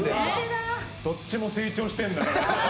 どっちも成長してんだね。